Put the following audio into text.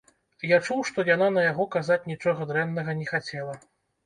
Я чуў, што яна на яго казаць нічога дрэннага не хацела.